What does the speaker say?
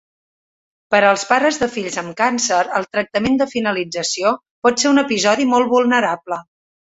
Per als pares de fills amb càncer, el tractament de finalització pot ser un episodi molt vulnerable.